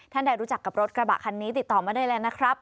ได้รู้จักกับรถกระบะคันนี้ติดต่อมาได้แล้วนะครับ